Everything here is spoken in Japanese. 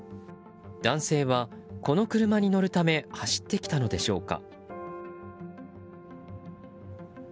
男性は、この車に乗るため走ってきたのでしょうか。